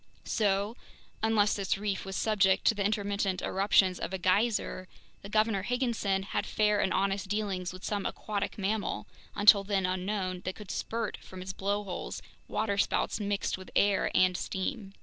So, unless this reef was subject to the intermittent eruptions of a geyser, the Governor Higginson had fair and honest dealings with some aquatic mammal, until then unknown, that could spurt from its blowholes waterspouts mixed with air and steam.